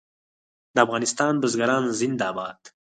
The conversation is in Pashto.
د افغانستان بزګران زنده باد.